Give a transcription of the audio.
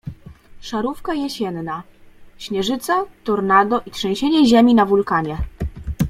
Szarówka jesienna. Śnieżyca, tornado i trzęsienie ziemi na wulkanie.